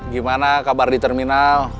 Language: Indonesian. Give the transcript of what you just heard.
gimana kabar di terminal